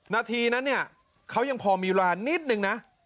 นาทีนั้นเนี่ยเขายังพอมีเวลานิดนึงนะ